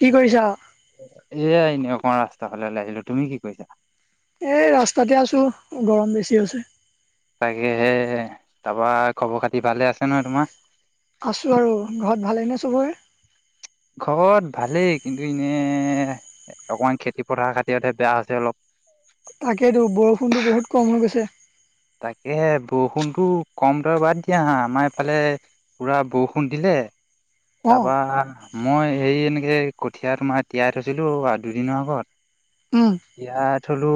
কি কৰিছা? এ এনে অকমান ৰাস্তা ফালে আহিলো তুমি কি কৈছা। এই ৰাস্তাতে আছো গৰম বেছি আ হৈছে। তাকে হে হে তাৰপা খবৰ খাতি ভালে আছে নহয় তোমাৰ। আছোঁ আৰু ঘৰত ভালেইনে চবৰে। খবৰ ভালেই। কিন্তু এনে অকমান খেতি পথাৰ খাতিৰতে বেয়া হৈছে অলপ। তাকেইটো বৰষুণতটো বহুত কম হৈ গৈছে। তাকে বৰষুণতো কম দৰ বাদ দিয়া হা আমাৰ এইফালে পুৰা বৰষুণ দিলে এ অ তাৰপা মই হেৰি এনেকে কঠীয়া তোমাৰ তিয়াই থৈছিলো দুদিনৰ আগত। উম ইয়াত থলো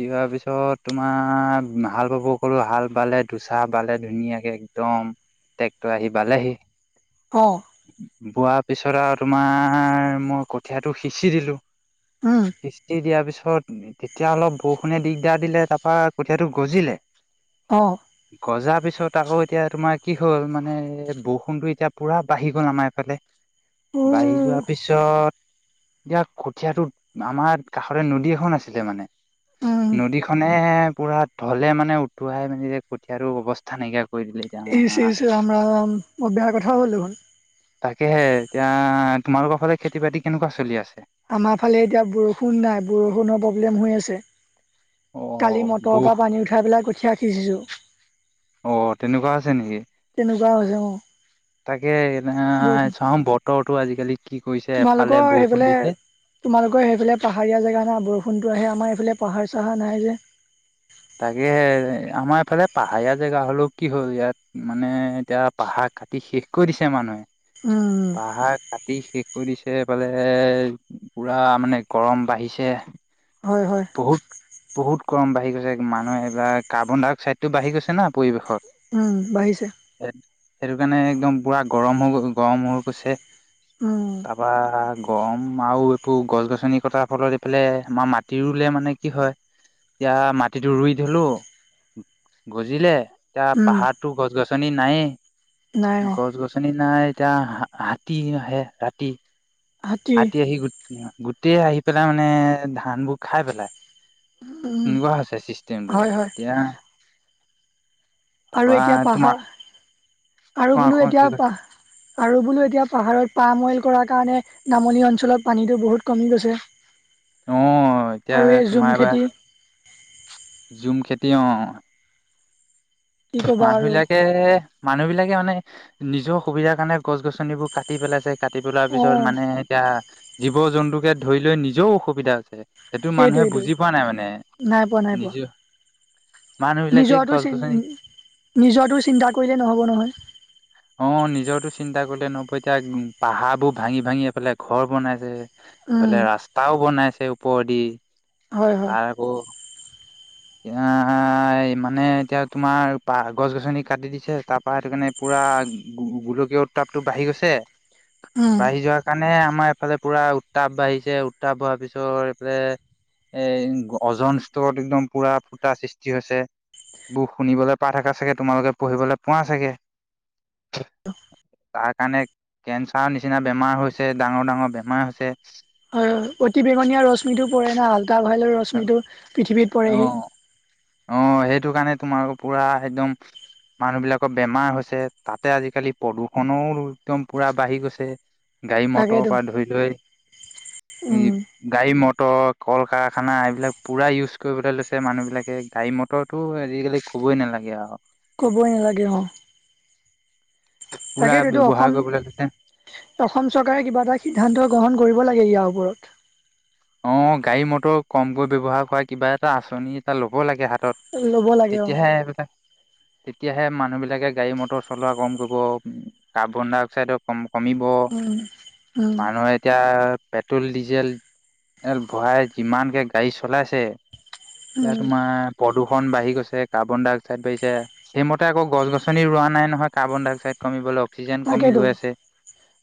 তিওঁৱাৰ পিছত তোমাৰ হাল বাব গলোঁ। হাল বালে দুচা বালে ধুনীয়া ধুনীয়াকে একদম ট্ৰেক্টৰ আহি বালেহি। অ। বোৱাৰ পিছত আৰু তোমাৰ মই কঠিয়াটো সিঁচি দিলো। উম কিস্তি দিয়াৰ পিছত ছত তেতিয়া অলপ বৰষুণে দিগদাৰ দিলে। তাৰ পা কঠীয়াটো গজিলে। অ গজা পিছ পিছত আকৌ এতিয়া তোমাৰ কি হ'ল মানে বৰষুণতো এতিয়া পুৰা বাঢ়ি গ'ল আমাৰ এইফালে। উ বাঢ়ি যোৱাৰ পিছত এতিয়া কঠীয়াটো আমাৰ কাষৰে নদী এখন আছিলে মানে উম নদীখনে পুৰা ঢলে মানে উটুৱাই মানে যে কঠিয়াটো অৱস্থা নাইকিয়া কৰি দিলে এতিয়া ইচ- আমাৰ ইচ। ৰাম-ৰাম। বৰ বেয়া কথা হল দেখুন। তাকেহে। এতিয়া তোমালোকৰ ফালে খেতি-বাতি কেনেকুৱা চলি আছে? আমাৰ ফালে এতিয়া বৰষুণ নাই বৰষুণৰ প্ৰব্লেম হৈ আছে। অ কালি মটৰৰ বহ পৰা পানী উঠাই পেলাই কঠীয়া সিচিছো। অ তেনেকুৱা হৈছে নেকি? এনেকুৱা হৈছে, অ। তাকে এ বৰষুণ। চাওঁ বতৰটো আজিকালি কি কৰিছে এফালে তোমালোকৰ বৰষুণ সেইফালে দিছে তোমালোকৰ সেইফালে পাহাৰীয়া জেগা ন, বৰষুণতো আহে। আমাৰ এইফালে পাহাৰ চাহাৰ নাই যে। তাকে আমাৰ এইফালে পাহাৰীয়া জেগা হলেও কি হ'ল ইয়াত মানে এতিয়া পাহাৰ কাটি শেষ কৰি দিছে উম মানুহে। পাহাৰ ক কাটি শেষ কৰি এইফালে পুৰা মানে গৰম বাঢ়িছে। হয়, হয়। ৰম বাঢ়ি গৈছে মানুহ এইবাৰ, কাৰ্বন-ডাই-অক্সাইডটো বাঢ়ি গৈছে না পৰিৱেশত। উম বাঢ়িছে। সেইটো কাৰণে একদম পুৰা গৰম হৈ গ গৰম হৈ গৈছে। উ। তাৰপা গৰম আৰু এইটো গছ-গছনি কটাৰ ফলত এইফালে আমাৰ মাটি মাটি ৰুলে মানে কি হয়, এতিয়া মাটিটো ৰুই থলোঁ গজিলে। এতিয়া উম, পাহাৰতটো গছ গছনি নায়েই। নাই অ, গছ-গছনি নাই। এতিয়া হ হাতী আহে ৰাতি। হাতী ৰাতি আহি গোটেই আহি পেলাই মানে ধানবোৰ খাই পেলায়। উম, এনেকুৱা হৈছে চিষ্টমটো। হয়, হয় এতিয়া আৰু তাৰপা এতিয়া তোমাৰ পাহাৰ, আৰু তোমাৰ বোলো আকৌ কি এতিয়া কয় পাহ আৰু বোলো এতিয়া পাহাৰত পাম অইল কৰাৰ কাৰণে নামনি অঞ্চলত পানীটো বহুত কমি গৈছে। অ এতিয়া আৰু এই তোমাৰ ঝুম খেতি ঝুম খেতি, অ অ। কি ক'বা মানুহ আৰু বিলাকে, মানুহ বিলাকে মানে নিজৰ সুবিধাৰ কাৰণে গছ-গছনিবোৰ কাটি পেলাইছে। কাটি পেলোৱাৰ অ, পিছত মানে এতিয়া জীৱ-জন্তুকে ধৰি লৈ নিজেও অসুবিধা আছে। সেইটো মানুহে সেইটোৱেইটো বুজি পোৱা নাই মানে, নাই পোৱা, নাই পোৱা নিজে মানুহবিলাকে নিজৰটো চি গছ-গছনি নিজৰটো চিন্তা কৰিলে নহ'ব নহয়। অ নিজৰটো চিন্তা কৰিলে নহব, এতিয়া পাহাৰবোৰ ভাঙি-ভাঙি এফালে ঘৰ বনাইছে উম, এইফালে ৰাস্তাও বনাইছে ওপৰেদি, হয়, হয় তাৰ আকৌ। এয়া মানে এতিয়া তোমাৰ পা গছ গছনি কাটি দিছে তাৰ পৰা সেইটো কাৰণে পুৰা। গোলকীয় উত্তাপটো বাঢ়ি গৈছে। উম, বাঢ়ি যোৱাৰ কাৰণে আমাৰ এইফালে পুৰা উত্তাপ বাঢ়িছে উত্তাপ হোৱাৰ পিছত এইফালে। এ অজন স্তৰত একদম পুৰা ফুটা সৃষ্টি হৈছে। বোৰ শুনিবলৈ পা থকা চাগে তোমালোকে পঢ়িবলৈ পোৱা চাগে। অ। তাৰ কাৰণে কেন্ঞ্চাৰ নিচিনা বেমাৰ হৈছে ডাঙৰ ডাঙৰ বেমাৰ হৈছে। হয় অতি বেঙনীয়া ৰশ্মিটো পৰে না ভাল। তাল হললেও ৰশ্মিটো পৃথিৱীত অ পৰেহি। তোমাৰো পুৰা একদম। মানুহ বিলাকৰ বেমাৰ হৈছে তাতে আজিকালি প্ৰদূষণও একদম পুৰা বাঢ়ি গৈছে। গাড়ী মটৰৰ তাকেতো পৰা ধৰি লৈ উম, গাড়ী মটৰ কল কাৰ- খানা এইবিলাক পুৰা ইউজ কৰিবলৈ লৈছে মানুহবিলাকে গাড়ী মটৰটো আজিকালি ক'বই নালাগে আও। কবৈই নালাগে অ। পুৰা তাকেটোতো ব্যৱহাৰ অসম কৰিবলৈ লৈছে অসম চৰকাৰে কিবা এটা সিদ্ধান্ত গ্ৰহণ কৰিব লাগে ইয়াৰ ওপৰত। অ গাড়ী মটৰ কম কৈ ব্যৱহাৰ কৰা কিবা এটা আঁচনি এটা ল'ব লাগে হাত। তত ল'ব লাগে অ তেতিয়াহে এইবিলাক। তেতিয়াহে মানুহ বিলাকে গাড়ী মটৰ চলোৱা কম কৰিব কাৰ্বন ডাই অক্সাইডো কম- কমিব, উম উম মানুহে এতিয়া পেট্ৰল ডিজেল। এল ভৰাই যিমানকে গাড়ী চলাইছে এয়া উম তোমাৰ প্ৰদূষ- ন বাঢ়ি গৈছে কাৰ্বন ডাই অক্সাইড বাঢ়িছে সিম মতে আকৌ গছ গছনি ৰোৱা নাই নহয় কাৰ্বন ডাই অক্সাইড কমিবলে। তাকেতো,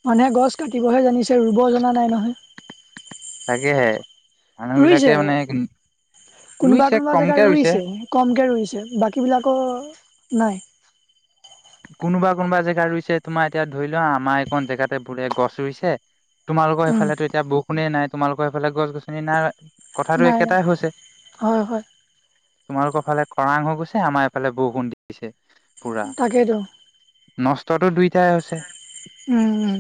মানুহে গছ কাটিবহে জানিছে ৰুব জনা নাই নহয়। তাকেহে, মানুহ বিলাকে ৰুইছে মানে। কোনোবা ৰুইছে কোনোবা জেগা কমকে ৰুইছে কমকে ৰুইছে বাকীবিলাক নাই। কোনোবা কোনোবা জেগা ৰুইছে তোমাৰ এতিয়া ধৰি লোৱা আমাৰ এইকখন জেগাতে বোৰে গছ ৰুইছে। তোমালোকৰ উম সেইফালেতো এতিয়া বৰষুণে নাই তোমালোকৰ সফে গছ গছনি নাই। কথাটো নাই নাই একেটাই হৈছে। হয় হয় তোমালোকৰ ফালে খৰাং হৈ গৈছে আমাৰ এইফালে বৰষুণ দিছে। তাকেইতো। নষ্টটো দুইটাই হৈছে। উম উম।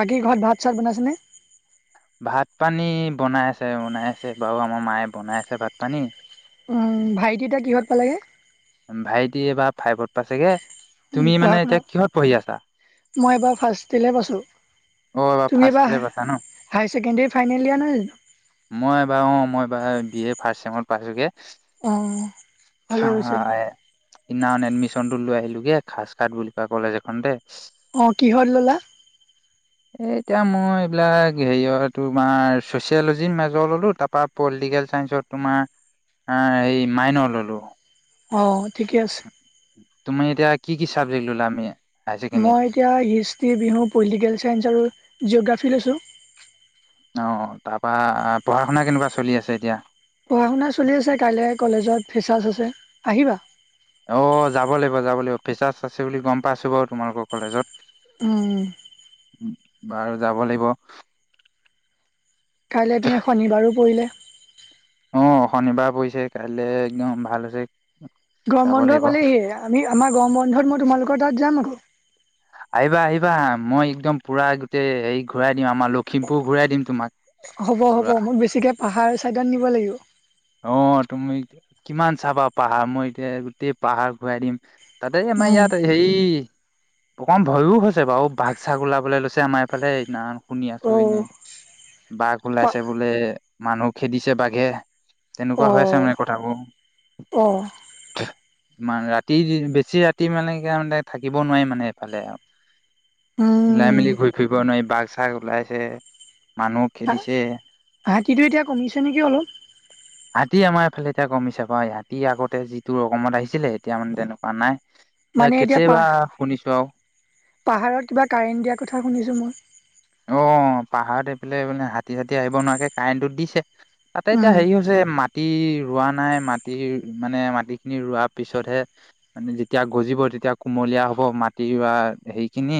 বাকী ঘৰত ভাত চাত বনাইছেনে। ভাত পানী বনাই আছে বনাই আছে বাৰু আমাৰ মায়ে বনাই আছে ভাত পানী। ভাইটিউতা কিহত পালেগে। ভাইটি এইবাৰ ফাইভত পাইছেগে। তুমি পঢ়া মানে এতিয়া শুনাত, কিহত পঢ়ি আছা মই এবাৰ ফাৰ্ষ্ট টিলেই পাইছোঁ। অ এইবাৰ তুমি, ফাৰ্ষ্ট এবাৰ ইয়েৰ পাইছা ন হায়াৰ ছেকেণ্ডেৰী ফাইনেল ইয়োৰ নাই জানো। মই এইবাৰ অ মই এইবাৰ বি এ ফাৰ্ষ্ট চেমত পাইছোগে। অ, অ, ভালে। হৈছে সিদিনাখন এডমিশ্যনটো লৈ আহিলোগে খাজ কাট বুলি কোৱা কলেজ এখন তে। অ কিহত ল'লা এ এতিয়া মই এইবিলাক হেৰিয় তোমাৰ চচিয়লজিৰ মেজৰ ল'লো তাপা পলিটিকেল চাইন্সত, তোমাৰ মাইনৰ ললো। অ ঠিকে আছে। তুমি এতিয়া কি কি চাবজেক্ট ললা মে। মই এতিয়া হিষ্ট্ৰি, বিহু, পলিটিকেল চাইন্স আৰু জিঅ'গ্ৰাফী লৈছোঁ। অ তাৰ পৰা, পঢ়া শুনা কেনেকুৱা চলি আছে এতিয়া। পঢ়া শুনা চলি আছে কাইলৈ কলেজত ফিচাৰছ আছে, আহিবা। অ যাব লাগিব যাব লাগিব ফেচাৰছ আছে বুলি গম পাইছো বাৰু তোমালোকৰ কলেজত। উম বাৰু যাব লাগিব। কাইলৈ পিনে শনিবাৰো পৰিলে। আহ শনিবাৰ পৰিছে কাইলৈ একদম ভাল হৈছে। গম যাব বন্ধ লাগিব পালেহিয়ে আমি আমাৰ গৰম বন্ধত মই তোমালোকৰ তাত যাম আক। আহিবা আহিবা মই একদম পুৰা গোটেই হেৰি ঘূৰাই দিম আমাৰ লখিমপুৰ ঘূৰাই দিম তোমাক পুৰা। চাইডান নিব লাগিব। অ তুমি, কিমান চাবা পাহাৰ মই এতিয়া গোটেই পাহাৰ ঘূৰাই দিম। তাতেই আমাৰ উম ইয়াত সেই। অকম ভয়ও হৈছে বাৰু বাঘ চাগ ওলাবলে লৈছে আমাৰ এইফালে এইদিনাখন শুনি অ আছো এনে, বাঘ পা ওলাইছে বোলে মানুহ খেদিছে বাঘে। অ তেনেকুৱা হৈ আছে মানে কথাবোৰ। অ ইমান ৰাতি বেছি ৰাতি মানে কিয়ামতে থাকিব নোৱাৰি মানে এইফালে আৰু। ওলাই উম মেলি ঘূৰি ফুৰিব নোৱাৰি বাঘ চাগ ওলাইছে, মানুহ খেদিছে। হাতীটো এতিয়া কমিছে নেকি অলপ হাতী আমাৰ ইফালে এতিয়া কমিছে বাৰ ৰাতি আগতে যিটো ৰকমত আহিছিলে এতিয়া মানে তেনেকুৱা নাই। মানে এয়া এতিয়া কেতিয়াবা পাহ শুনিছো আও পাহাৰত কিবা কাৰেণ্ট দিয়াৰ কথা শুনিছোঁ মই। অ পাহাৰত এইফালে মানে হাতী চাতী আহিব নোৱাৰাকে কাৰেণ্টটো দিছে। তাতে এতিয়া উম হেৰি হৈছে মাত- মাটি ৰোৱা নাই মাটি মানে মাটি খিনি ৰোৱা পিছতহে মানে যেতিয়া গজিব তেতিয়া কুমলীয়া হব মাটি ৰোৱা হেৰি খিনি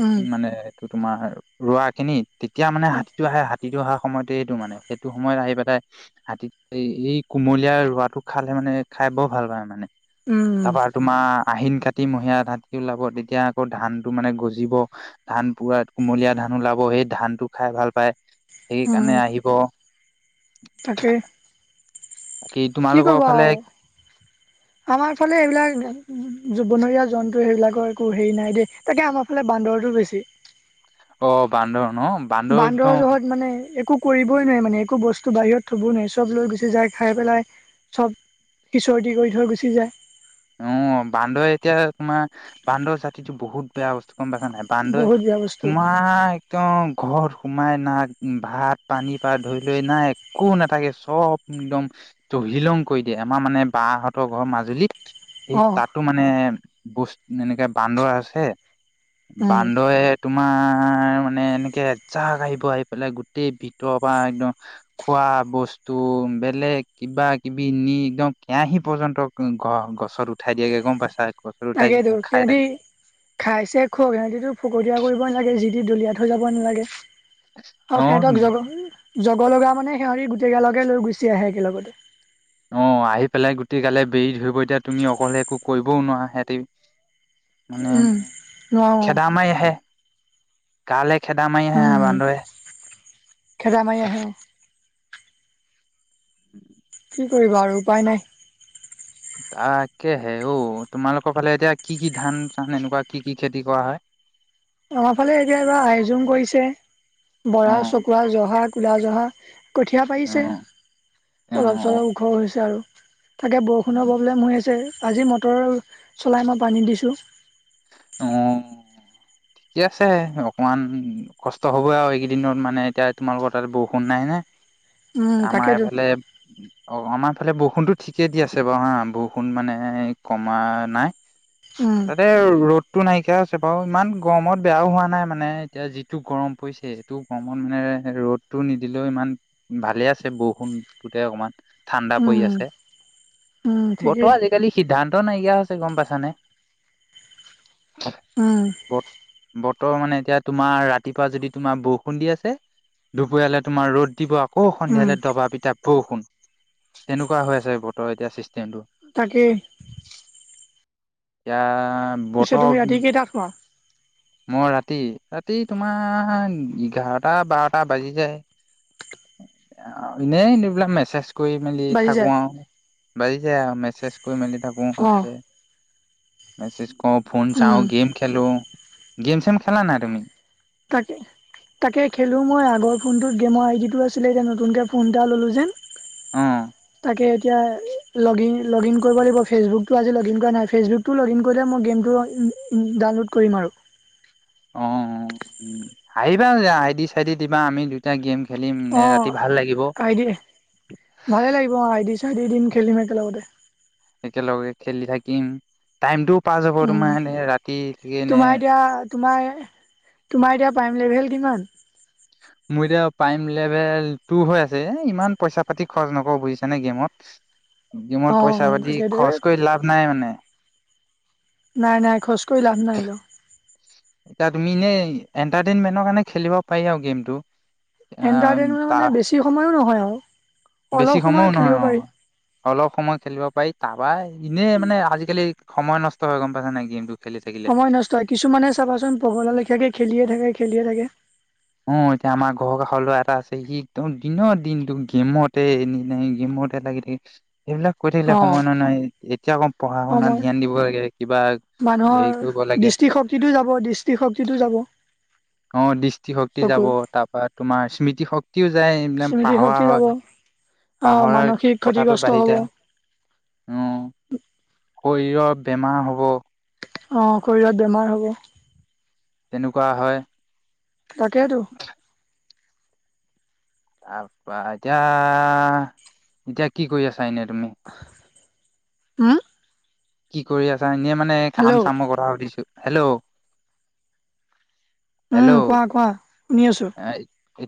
উম মানে এইটো তোমাৰ ৰোৱা খিনি তেতিয়া মানে অ হাতীটো আহে হাতীটো অহা সময়তে এইটো মানে সেইটো সময়ত আহি পেলাই হাতী এই কুমলীয়া ৰোৱাটো খালে মানে খাই বৰ ভাল পায় মানে। উম, তাৰপা তোমাৰ আহিন কাটি মহীয়া হাতী ওলাব তেতিয়া আকৌ ধানটো মানে গজিব ধান পুৰা কুমলীয়া ধান ওলাব সেই ধানটো খাই ভাল পায় সেইকাৰণে আহিব। তাকেই বাকী কি তোমালোকৰ ক'ব ফালে আও আমাৰ ফালে এইবিলাক জু বনৰীয়া জন্তু সেইবিলাকৰ একো হেৰি নাই দেই তাকে আমাৰ ফালে বান্দৰটো বেছি। অ বান্দৰ ন একদম বান্দৰ জহত মানে একো কৰিবই নোৱাৰে মানে একো বস্তু বাহিৰত থব নোৱি চব লৈ গুচি যাই খাই পেলাই চব হিচৰতি কৰি থৈ গুচি যায়। অ বান্দৰ এতিয়া তোমাৰ বান্দৰ জাতিটো বহুত বেয়া বস্তু বান্দই বহুত বেয়া বস্তু তোমাৰ একদম ঘৰ সোমাই নাক ভাত পানী পা ধৰি লৈ নাই একো নাথাকে চব একদম তহিলং কৰি দিয়ে আমাৰ মানে বাহঁতৰ ঘৰ মাজুলীত এই অ', তাতো মানে বস্ত এনেকে বান্দৰ আছে। উম, বান্দহে তুমি তোমাৰ মানে এনেকে এজাক আহিব আহি পেলাই গোটেই ভিতৰৰ পৰা একদম খোৱা বস্তু বেলেগ কিবা কিবি নি একদম কেৰাহী পৰ্যন্ত গা গ পাছত উঠাই দিয়ে গম পাইছা গছত উঠাই লাগেদো খাই সিহঁতি থাকে খাইছে খক সিহতিটো ফকতীয়া কৰিব নালাগে যি দি দলিয়াত থৈ যাব নালাগে আৰু অ সিহঁতক জগ জগ লগা মানে সিহঁৰি গোটেই গালগে লৈ গুচি আহে একেলগতে অ আহি পেলাই গোটেই গালে বেৰি ধৰিব এতিয়া তুমি অকলে একো কৰিবও নোৱাৰা সিহতি মানে উম, নোৱাৰো খেদ মাই আহে গালে খেদা মায়ি আহে আ উম, বান্দৰে খেদা মাৰি আহে উম কি কৰিবা আৰু উপায় নাই। তাকে হে অঔ তোমালোকৰ ফালে এতিয়া কি কি ধান চান এনেকুৱা কি কি খেতি কৰা হয়। উম অঁ আমাৰ ফালে এতিয়া এবাৰ আয়োজন কৰিছে। অ বৰা, চকুৱা, জহা, কলা জহা। কঠীয়া অ পাৰিছে অলপ অ চলপ ও ঘৰ হৈছে আৰু তাকে অ বৰষুণৰ প্ৰব্লেম হৈ আছে আজি মটৰ চলাই মই পানী দিছোঁ। অঁ ঠিকে আছে অকমান কষ্ট হবই আৰু এইকেইদিনত মানে এতিয়া তোমালোকৰ তাত বৰষুণ নাই নে উম, আমাৰ তাকেতো এইফালে অঁ আমাৰ ফালে বৰষুণতটো ঠিকে দি আছে বাৰু হা বৰষুণ মানে কমা নাই উম, তাতে ৰ'দতটো নাইকিয়া আছে বাৰু ইমান গৰমত বেয়াও হোৱা নাই মানে এতিয়া যিটো গৰম পৰিছে সেইটো গৰমত মানে ৰ'দটো নিদিলেও ইমান ভালে আছে বৰষুণটোতে অকমান ঠাণ্ডা পৰি উম, আছে উম, ঠিকেই বতৰ আজিকালি সিদ্ধান্ত নাইকিয়া হৈছে গম পাইছানে। উম। বত বতৰ মানে এতিয়া তোমাৰ ৰাতিপুৱা যদি তোমাৰ বৰষুণ দি আছে। দুপৰালে তোমাৰ ৰ'দ দিব। অঁ উম। সন্ধিয়ালে দবা পিতা বৰষুণ তেনেকুৱা হৈ আছে বতৰ এতিয়া চিষ্টেমটো। তাকে এতিয়া তুমি বতৰ ৰাতি কেইটাত শুৱা মই ৰাতি, ৰাতি তোমাৰ এঘাৰটা বাৰটা বাজি যায়। এনেইবিলাক মেছেজ কৰি মেলি বাজি থাকো যায় আৰু, বাজি যায় আৰু। অ', [unintelligible] ক ফোন উম, চাওঁ, গেম খেলো, গেম-চেম খেলা নাই তুমি? তাকে। তাকে খেলো মই আগৰ ফোনটোত গেমৰ আইডিটো আছিলে, নতুনকে ফোন এটা ললো যে। অঁ। লগিন কৰিব লাগিব ফেচবুকতটোজি লগিন কৰা নাই ফেচবুকতটো লগিন কৰিলে মই গেমত ডাউনলোড কৰিম আৰু। অঁ' আহিবা আইদি-চাইদি দিবা। আমি দুটা গেম খেলিম ৰাতি অ' ভাল লাগিব আইডিয় ভালে লাগিব অ' আই দি দিন [unintelligible] খেলিম মতে একেলগে খেলি থাকিম। টাইমতটো পাই যাব। উম তোমাৰ এনে ৰাতি কি এনে তোমাৰ এতিয়া তোমাৰ, তোমাৰ এতিয়া প্ৰাইম লেভেল কিমান? উ। মোৰ এতিয়া প্ৰাইম লেভেল টু হৈ আছে। ইমান পইচা-পাতি খৰচ নকৰো বুজিছানে গেমত। গেমত অঁ অঁ পইচা-পাতি তাকেতো খৰচ কৰি লাভ নাই মানে। নাই, নাই খোজ কৰি লাভ নাই ন। এতিয়া তুমি এনেই এণ্টাৰটেইনমেন্টৰ কাৰণে খেলিব পাৰি আৰু গেমটো। এন্টাৰটেইনমেন্ট তা মানে বেছি সময়ো নহয় আৰু। বেছি অলপ সময় সময়ও খেলিব নহয়। পাৰি অ' অলপ সময় খেলিব পাৰি তাবাই এনেই মানে আজিকালি সময় নষ্ট হৈ গম পাইছ নাই গেমটো। খেলি থাকিলে। সময় নষ্ট হয়। কিছুমানে চাবাচোন পাগল লেখাকে খেলিয়ে থাকে খেলিয়ে থাকে। অ'এতিয়া আমাৰ ঘৰৰ কাষৰ লৰা এটা আছে সি একদম দিনৰ দিনো গেমতে গেম- ম লাগি থাকে। সেইবিলাক কৈ থাকিলে অঁ সময় নহয় এতিয়া কম পঢ়া শুনা সময় ধ্যান দিব লাগে। কিবা হেৰি মানুহৰ কৰিব লাগে দৃষ্টিশক্তিটো যাব দৃষ্টিশক্তিটো যাব। অ' দৃষ্টিশক্তি যাব চকুৰ তাৰ পৰা তোমাৰ স্মৃতি শক্তিও যায়। এইবিলাক স্মৃতি পাহৰা শক্তি যাব হয়। আহ পাহৰাৰ মানসিক কথাতটো ক্ষতিগ্ৰস্ত বাঢ়ি হব যায়, উম। শৰীৰৰ বেমাৰ হ'ব। অ' শৰীৰত বেমাৰ হ'ব। তেনেকুৱা হয়। তাকেটো। তাৰপা এতিয়া, এতিয়া কি কৰি আছা এনে তুমি? হুম? কি কৰি আছা? এনেই মানে কাম চামৰ কথা সুধিছো। হেল্ল' উম' কোৱা, কোৱা। শুনি আছো। হেল্ল'